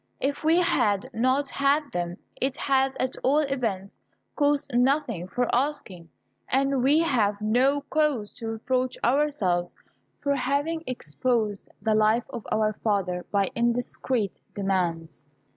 If we have not had them, it has at all events cost nothing for asking, and we have no cause to reproach ourselves for having exposed the life of our father by indiscreet demands.